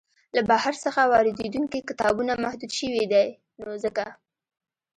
له بهر څخه واریدیدونکي کتابونه محدود شوي دی نو ځکه.